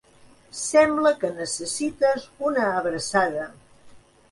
Sembla que necessites una abraçada!